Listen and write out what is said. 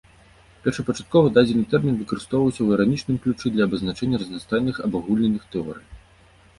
Першапачаткова дадзены тэрмін выкарыстоўваўся ў іранічным ключы для абазначэння разнастайных абагульненых тэорый.